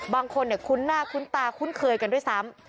บางคนคุ้นหน้าคุ้นตาคุ้นเคยกันด้วยซ้ำ